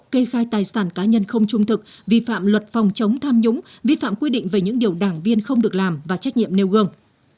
kê khai tài sản cá nhân không trung thực vi phạm luật phòng chống tham nhũng vi phạm quy định về những điều đảng viên không được làm và trách nhiệm nêu gương